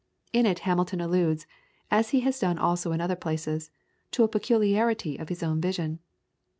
In it Hamilton alludes, as he has done also in other places, to a peculiarity of his own vision.